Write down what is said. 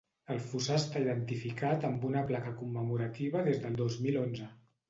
El fossar està identificat amb una placa commemorativa des del dos mil onze.